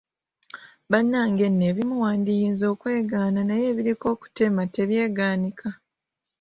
Bannange nno ebimu wandiyinza okwegaana naye ebiriko akutema tebyegaanika